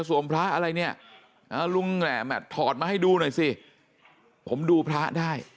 พระอะไรเนี่ยลุงแหลมถอดมาให้ดูหน่อยสิผมดูพระได้